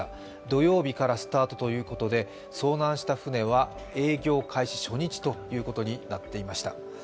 土曜日からスタートということで遭難した船は営業開始初日ということになっていました。